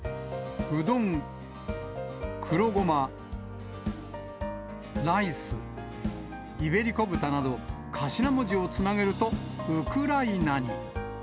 うどん、黒ごま、ライス、イベリコ豚など、頭文字をつなげると、ウクライナに。